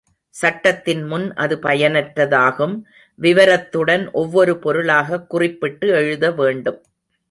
சட்டத்தின் முன் அது பயனற்றதாகும், விவரத்துடன் ஒவ்வொரு பொருளாகக் குறிப்பிட்டு எழுதவேண்டும்.